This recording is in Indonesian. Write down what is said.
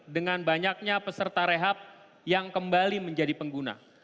dengan banyaknya peserta rehab yang kembali menjadi pengguna